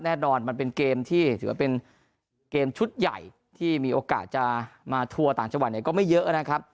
แน่นอนมันเป็นเกมที่ถือว่าเป็นเกมชุดใหญ่ที่มีโอกาสจะมาทัวร์ต่างจังหวัดเนี่ยก็ไม่เยอะนะครับ